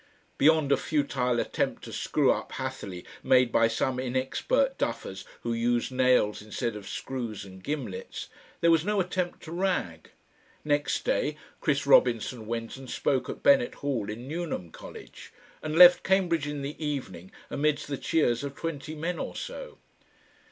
Beyond a futile attempt to screw up Hatherleigh made by some inexpert duffers who used nails instead of screws and gimlets, there was no attempt to rag. Next day Chris Robinson went and spoke at Bennett Hall in Newnham College, and left Cambridge in the evening amidst the cheers of twenty men or so.